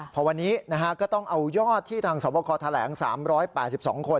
พอวันนี้ก็ต้องเอายอดที่ทางสวบคอแถลง๓๘๒คน